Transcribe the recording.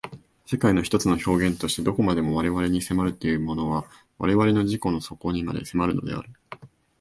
世界が一つの表現として何処までも我々に迫るというのは我々の自己の底にまで迫るのである。